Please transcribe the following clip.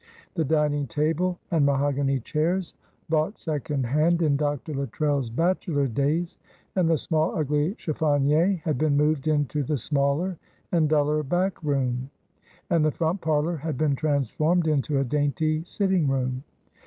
The dining table and mahogany chairs bought second hand in Dr. Luttrell's bachelor days and the small, ugly chiffonier had been moved into the smaller and duller back room, and the front parlour had been transformed into a dainty sitting room.